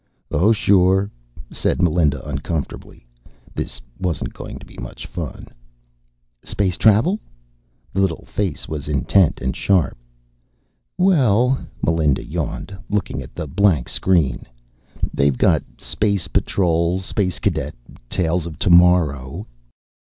"Oh, sure," said Melinda uncomfortably. This wasn't going to be much fun. "Space travel?" The little face was intent, sharp. "Well," Melinda yawned, looking at the blank screen, "they've got Space Patrol, Space Cadet, Tales of Tomorrow